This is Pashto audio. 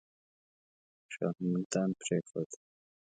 شاهو ملتان پرېښود.